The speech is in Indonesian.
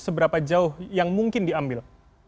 seberapa jauh yang mungkin diambil